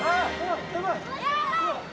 やばい！